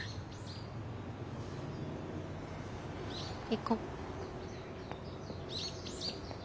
行こう。